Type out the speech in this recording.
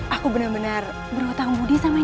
aku benar benar berhutang budi sama